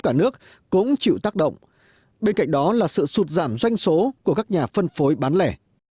đất khác động bên cạnh đó là sự sụt giảm doanh số của các nhà phân phối bán lẻ